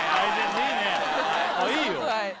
いいよ。